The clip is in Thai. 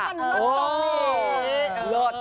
อันนั้นตรงนี้